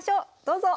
どうぞ！